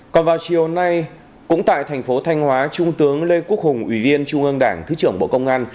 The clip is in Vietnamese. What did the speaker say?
còn vào chiều nay cũng tại thành phố thanh hóa trung tướng lê quốc hùng ủy viên trung ương đảng thứ trưởng bộ công an